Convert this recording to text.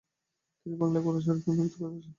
তিনি বাংলায় কোরআন শরীফ অনুবাদ করার প্রচেষ্টারত ছিলেন।